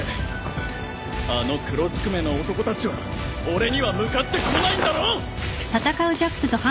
あの黒ずくめの男たちは俺には向かってこないんだろ！